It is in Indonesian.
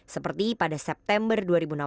seperti pada september dua ribu enam belas